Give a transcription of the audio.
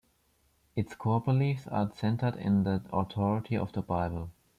Its core beliefs are centered in the authority of the Bible.